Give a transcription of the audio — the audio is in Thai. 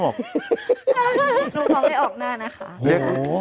แต่เขามาปรากฏตัวแล้วนะ